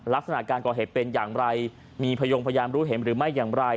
ลักษณะการก่อเหตุเป็นอย่างไรมีพยงพยานรู้เห็นหรือไม่อย่างไร